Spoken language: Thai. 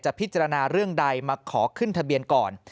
พิจารณาเรื่องใดมาขอขึ้นทะเบียนก่อน